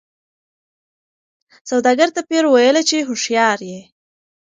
سوداګر ته پیر ویله چي هوښیار یې